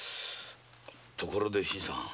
ところで新さん。